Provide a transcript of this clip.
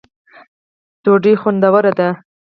ډوډۍ خوندوره ده